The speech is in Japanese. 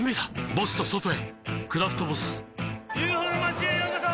ボスと外へ「クラフトボス」ＵＦＯの町へようこそ！